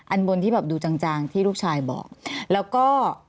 อันบนที่แบบดูจางจางที่ลูกชายบอกแล้วก็